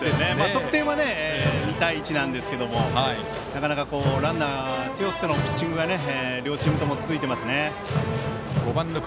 得点は、２対１なんですけれどもなかなか、ランナー背負ってのピッチングが両チームとも続いてますね。